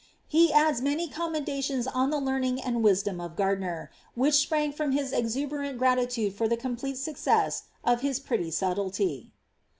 ^ He adds many commendations on the leamiof and wisdom of Gardiner, which sprang from his exuberant gratitude for the complete success of his ^ pretty subtlety.